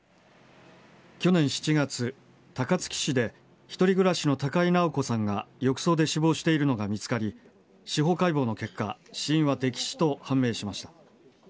去年７月、高槻市で一人暮らしの高井直子さんが浴槽で死亡しているのが見つかり司法解剖の結果死因は溺死と判明しました。